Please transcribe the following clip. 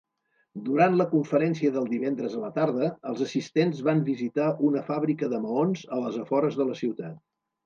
Durant la conferència del divendres a la tarda els assistents van visitar una fàbrica de maons a les afores de la ciutat.